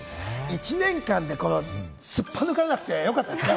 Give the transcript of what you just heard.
１年間ですっぱ抜かれなくてよかったですね。